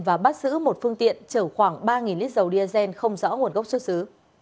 và bắt giữ một phương tiện chở khoảng ba lít dầu diesel không rõ nguồn gốc xuất xứ